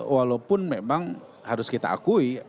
walaupun memang harus kita akui